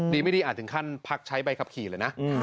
ไม่ดีอาจถึงขั้นพักใช้ใบขับขี่เลยนะ